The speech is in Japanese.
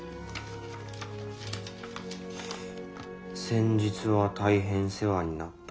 「先日は大変世話になった。